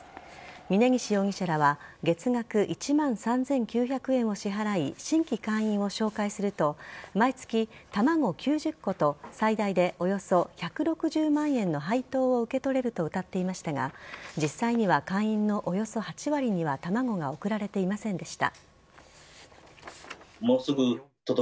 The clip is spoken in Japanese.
峯岸容疑者らは月額１万３９００円を支払い新規会員を紹介すると毎月卵９０個と最大でおよそ１６０万円の配当を受け取れるとうたっていましたが実際には会員のおよそ８割には卵が送られていませんでした。